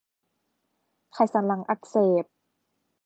ไขสันหลังอักเสบ